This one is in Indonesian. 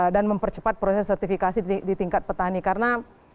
dan mempercepat proses sertifikasi di tingkat petani karena